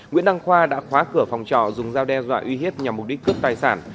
nguyễn đăng khoa đã khóa cửa phòng trọ dùng dao đe dọa uy hiếp nhằm mục đích cướp tài sản